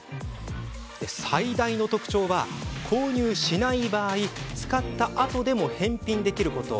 最大の特徴は、購入しない場合使ったあとでも返品できること。